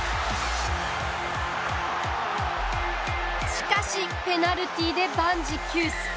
しかし、ペナルティで万事休す。